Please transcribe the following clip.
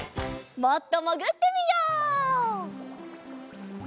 もっともぐってみよう。